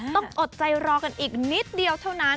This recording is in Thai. ต้องอดใจรอกันอีกนิดเดียวเท่านั้น